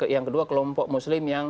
yang kedua kelompok muslim yang